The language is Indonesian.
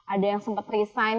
ada yang sempat resign